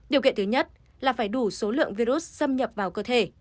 điều kiện thứ nhất là phải đủ số lượng virus xâm nhập vào cơ thể